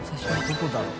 どこだろう？